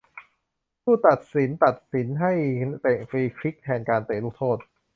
ผู้ตัดสินตัดสินให้เตะฟรีคิกแทนการเตะลูกโทษ